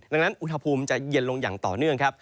ดังนั้นอุณหภูมิจะเย็นลงอย่างต่อเนื่องครับ